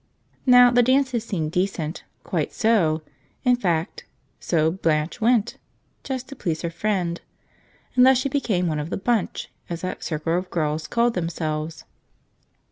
Now, the dances seemed decent, quite so, in fact, so Blanche went — just to please her friend. And thus she became one of the "bunch," as that circle of girls called themselves.